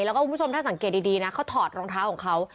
แล้วก็คุณผู้ชมถ้าสังเกตดีนะเขาถอดรองเท้าของเขา